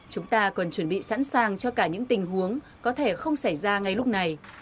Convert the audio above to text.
chúng ta cần chuẩn bị sẵn sàng cho cả những tình huống có thể không xảy ra ngay lúc này